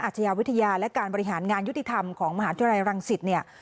อาชญาวิทยาและการบริหารงานยุติธรรมของมหาธุรัยรังสิทธิ์